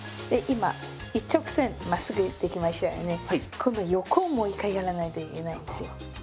今度は横をもう一回やらないといけないんですよ。